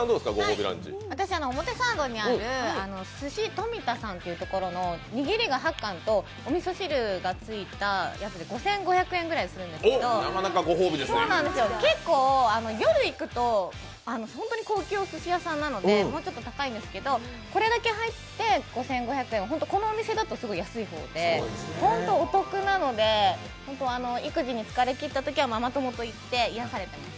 私は表参道にある鮨とみ田さんっていうところの握りが８貫とおみそ汁がついたやつで５５００円ぐらいするんですけど結構、夜行くと本当に高級おすし屋さんなので、もうちょっと高いんですけれども、これだけ入って５５００円はこのお店だとすごい安い方で本当にお得なので、育児に疲れ切ったときはママ友と行って癒やされています。